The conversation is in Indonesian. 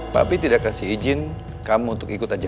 papi tidak kasih izin kamu untuk ikut aja